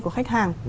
của khách hàng